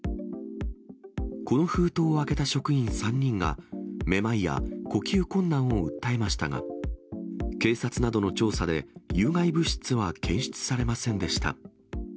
この封筒を開けた職員３人が、めまいや呼吸困難を訴えましたが、警察などの調査で、有害物質は検出されませんでした。